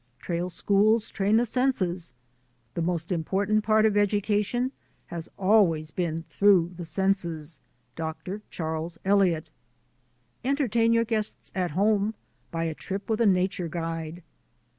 Trail schools train the senses. "The most im portant part of education has always been through the senses." — Dr. Charles Eliot. Entertain your guests at home by a trip with a nature guide.